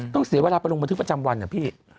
เสียเวลาไปลงบันทึกประจำวันนะพี่